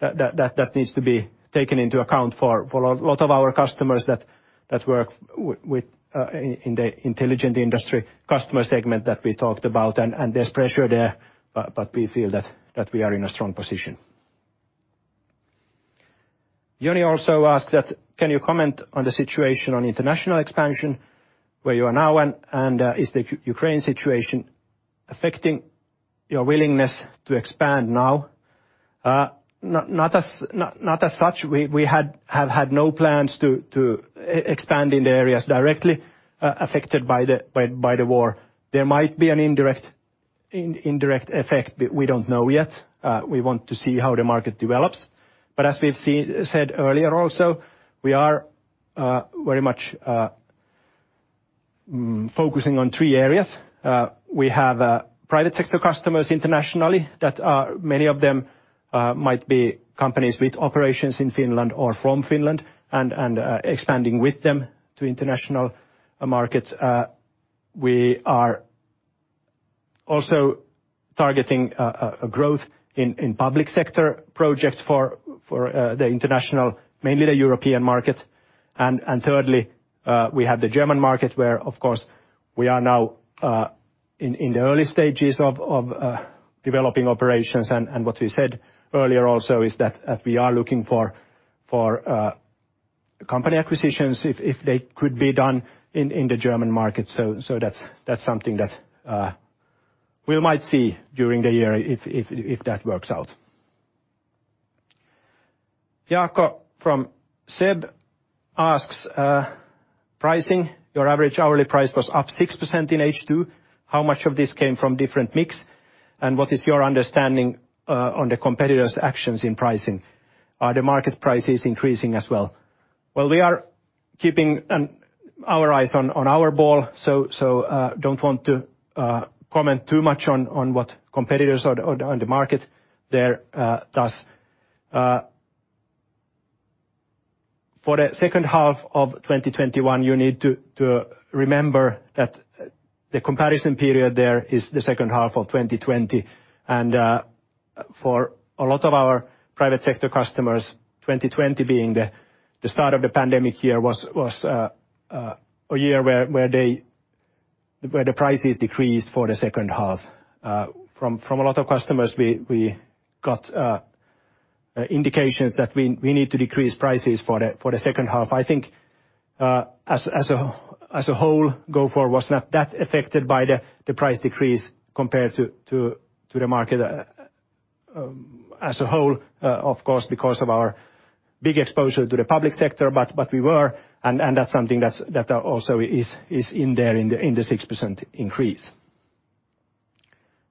that needs to be taken into account for a lot of our customers that work within the intelligent industry customer segment that we talked about. There's pressure there, but we feel that we are in a strong position. Joni also asked that, "Can you comment on the situation on international expansion, where you are now, and is the Ukraine situation affecting your willingness to expand now?" Not as such. We have had no plans to expand in the areas directly affected by the war. There might be an indirect effect, but we don't know yet. We want to see how the market develops. As we've said earlier also, we are very much focusing on three areas. We have private sector customers internationally, many of them might be companies with operations in Finland or from Finland and expanding with them to international markets. We are also targeting a growth in public sector projects for the international, mainly the European market. Thirdly, we have the German market where, of course, we are now in the early stages of developing operations. What we said earlier also is that we are looking for company acquisitions if they could be done in the German market. That's something that we might see during the year if that works out. Jaakko from SEB asks, pricing: "Your average hourly price was up 6% in H2. How much of this came from different mix? And what is your understanding on the competitors' actions in pricing? Are the market prices increasing as well?" Well, we are keeping our eyes on the ball. Don't want to comment too much on what competitors on the market there does. For the second half of 2021, you need to remember that the comparison period there is the second half of 2020. For a lot of our private sector customers, 2020 being the start of the pandemic year was a year where the prices decreased for the second half. From a lot of customers, we got indications that we need to decrease prices for the second half. I think as a whole Gofore was not that affected by the price decrease compared to the market as a whole of course because of our big exposure to the public sector but we were and that's something that's also in there in the 6% increase.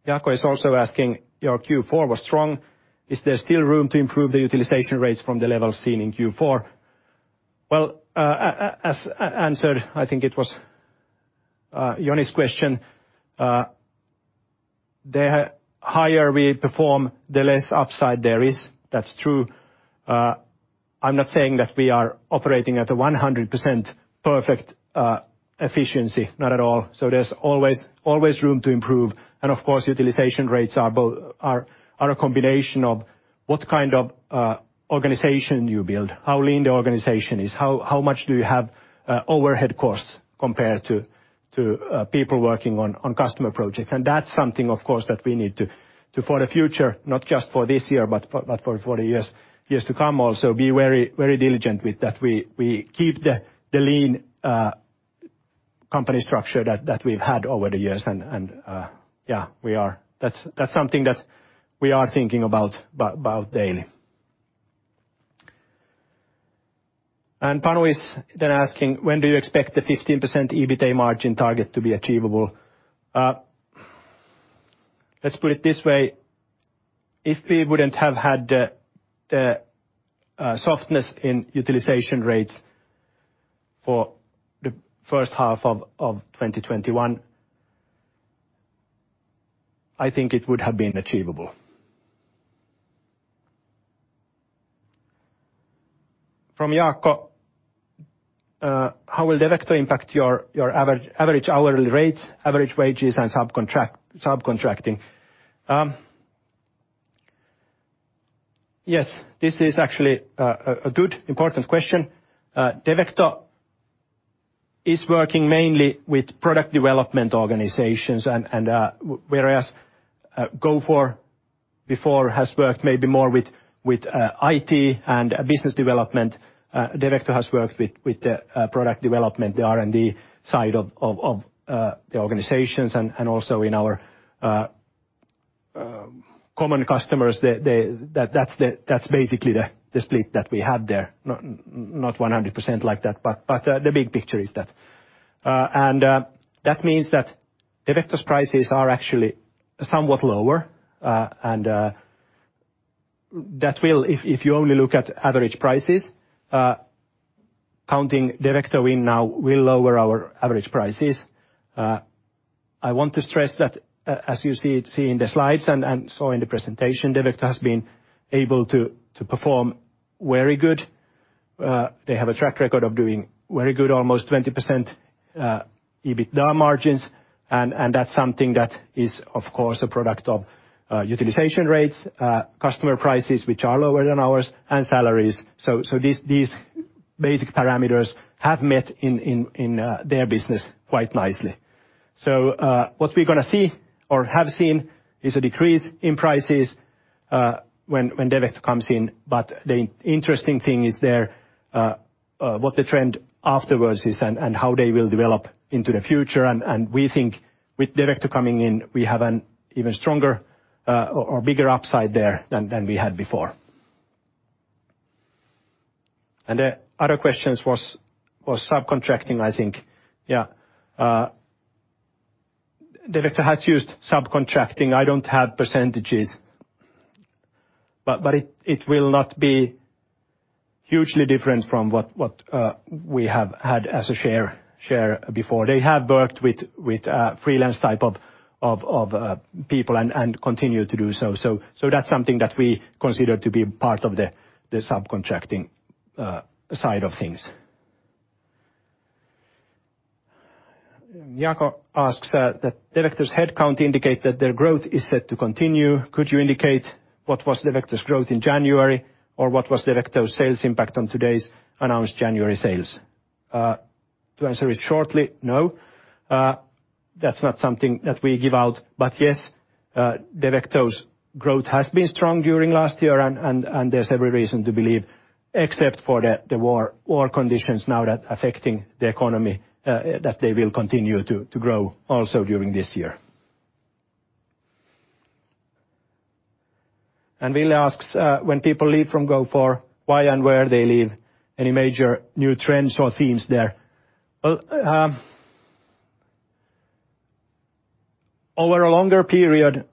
Jaakko is also asking, "Your Q4 was strong. Is there still room to improve the utilization rates from the level seen in Q4?" Well as I answered I think it was Joni's question the higher we perform the less upside there is. That's true. I'm not saying that we are operating at a 100% perfect efficiency not at all. There's always room to improve. Of course, utilization rates are a combination of what kind of organization you build, how lean the organization is, how much do you have overhead costs compared to people working on customer projects. That's something, of course, that we need to for the future, not just for this year, but for the years to come also, be very diligent with that. We keep the lean company structure that we've had over the years. Yeah, we are. That's something that we are thinking about daily. Panu is then asking, "When do you expect the 15% EBITA margin target to be achievable?" Let's put it this way. If we wouldn't have had the softness in utilization rates for the first half of 2021, I think it would have been achievable. From Jaakko, "How will Devecto impact your average hourly rates, average wages, and subcontracting?" Yes, this is actually a good, important question. Devecto is working mainly with product development organizations and whereas Gofore before has worked maybe more with IT and business development, Devecto has worked with the product development, the R&D side of the organizations and also in our customer, common customers. That's basically the split that we have there. Not 100% like that, but the big picture is that. That means that Devecto's prices are actually somewhat lower, and that will, if you only look at average prices, counting Devecto in now will lower our average prices. I want to stress that, as you see in the slides and saw in the presentation, Devecto has been able to perform very good. They have a track record of doing very good, almost 20% EBITDA margins, and that's something that is, of course, a product of utilization rates, customer prices which are lower than ours, and salaries. These basic parameters have met in their business quite nicely. What we're gonna see or have seen is a decrease in prices, when Devecto comes in. The interesting thing is there what the trend afterwards is and how they will develop into the future. We think with Devecto coming in, we have an even stronger or bigger upside there than we had before. The other questions was subcontracting, I think. Yeah. Devecto has used subcontracting. I don't have percentages, but it will not be hugely different from what we have had as a share before. They have worked with freelance type of people and continue to do so. That's something that we consider to be part of the subcontracting side of things. Jaakko asks that, "Devecto's headcount indicate that their growth is set to continue. Could you indicate what was Devecto's growth in January or what was Devecto's sales impact on today's announced January sales? To answer it shortly, no. That's not something that we give out. Yes, Devecto's growth has been strong during last year and there's every reason to believe, except for the war conditions now that affecting the economy, that they will continue to grow also during this year. William asks, "When people leave from Gofore, why and where they leave? Any major new trends or themes there?" Well, over a longer period,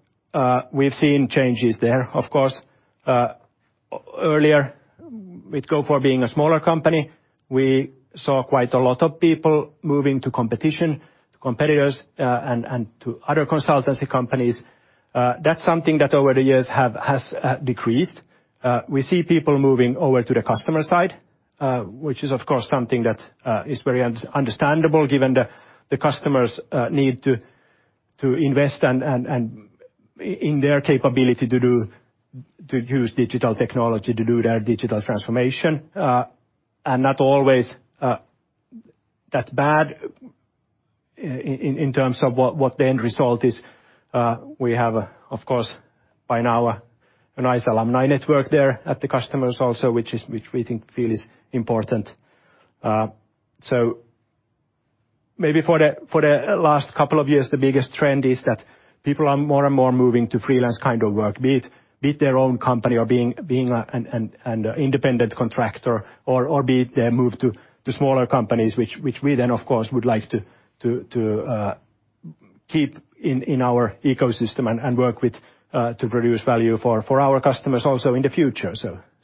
we've seen changes there, of course. Earlier, with Gofore being a smaller company, we saw quite a lot of people moving to competition, to competitors, and to other consultancy companies. That's something that over the years has decreased. We see people moving over to the customer side, which is of course something that is very understandable given the customers need to invest in their capability to use digital technology to do their digital transformation, and not always that bad in terms of what the end result is. We have, of course, by now a nice alumni network there at the customers also, which we think feel is important. Maybe for the last couple of years, the biggest trend is that people are more and more moving to freelance kind of work, be it their own company or being an independent contractor or be it they move to the smaller companies which we then of course would like to keep in our ecosystem and work with to produce value for our customers also in the future.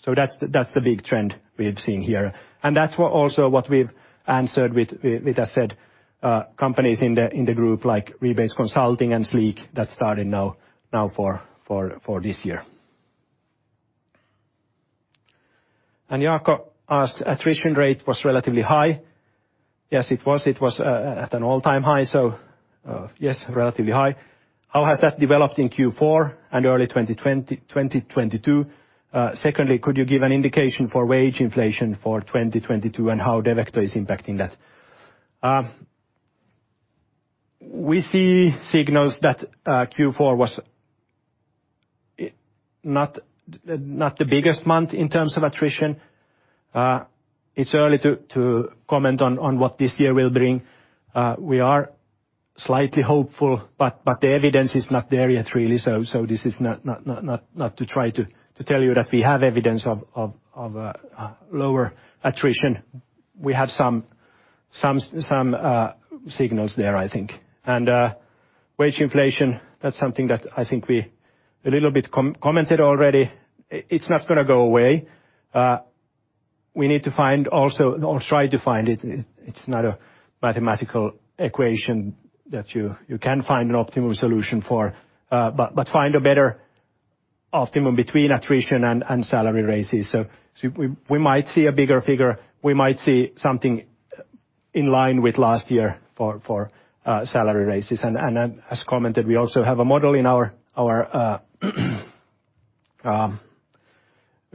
That's the big trend we've seen here. That's what we've also answered with, as said, companies in the group like Rebase Consulting and Sleek that's starting now for this year. Jacob asked, "Attrition rate was relatively high." Yes, it was. It was at an all-time high, so yes, relatively high. "How has that developed in Q4 and early 2022? Secondly, could you give an indication for wage inflation for 2022 and how Devecto is impacting that?" We see signals that Q4 was not the biggest month in terms of attrition. It's early to comment on what this year will bring. We are slightly hopeful, but the evidence is not there yet really. This is not to try to tell you that we have evidence of lower attrition. We have some signals there, I think. Wage inflation, that's something that I think we a little bit commented already. It's not gonna go away. We need to find also or try to find it. It's not a mathematical equation that you can find an optimal solution for, but find a better optimum between attrition and salary raises. We might see a bigger figure. We might see something in line with last year for salary raises. As commented, we also have a model in our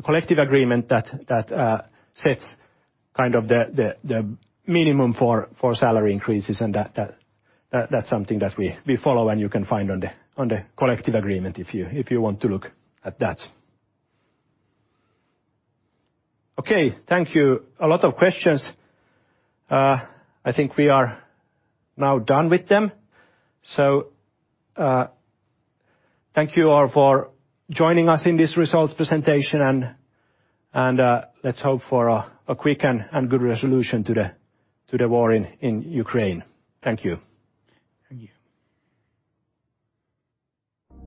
collective agreement that sets kind of the minimum for salary increases, and that's something that we follow and you can find on the collective agreement if you want to look at that. Okay, thank you. A lot of questions. I think we are now done with them. Thank you all for joining us in this results presentation, and let's hope for a quick and good resolution to the war in Ukraine. Thank you. Thank you.